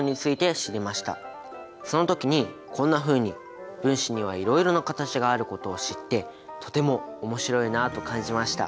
その時にこんなふうに分子にはいろいろな形があることを知ってとても面白いなあと感じました。